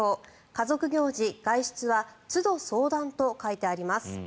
家族行事・外出はつど相談と書いてあります。